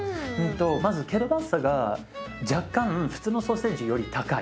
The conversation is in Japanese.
まずキルバサが若干普通のソーセージより高い。